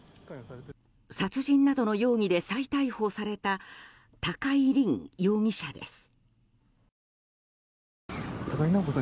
殺人などの容疑で再逮捕された高井凜容疑者です。